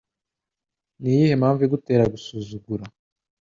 Ni iyihe mpamvu igutera gusuzugura